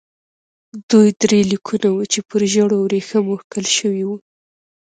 دوی درې لیکونه وو چې پر ژړو ورېښمو کښل شوي وو.